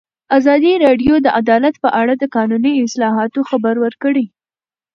ازادي راډیو د عدالت په اړه د قانوني اصلاحاتو خبر ورکړی.